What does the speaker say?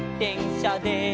しゃで」